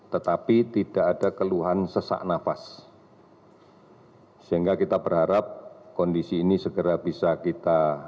tetapi tidak ada keluhan sesak nafas sehingga kita berharap kondisi ini segera bisa kita